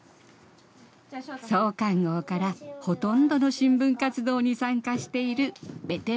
創刊号からほとんどの新聞活動に参加しているベテラン記者。